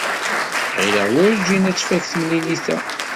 Ɣileɣ werjin ad tfak temlilit-a.